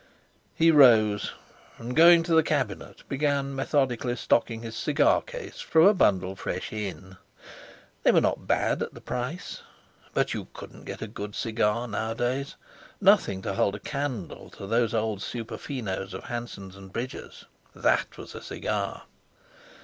He rose, and, going to the cabinet, began methodically stocking his cigar case from a bundle fresh in. They were not bad at the price, but you couldn't get a good cigar, nowadays, nothing to hold a candle to those old Superfinos of Hanson and Bridger's. That was a cigar!